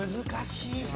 難しい。